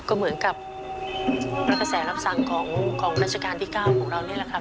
ก็เหมือนกับกระแสรับสั่งของราชการที่๙ของเรานี่แหละครับ